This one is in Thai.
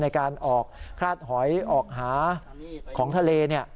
ในการออกคราดหอยออกหาของทะเล